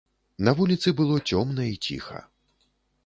На вуліцы было цёмна і ціха.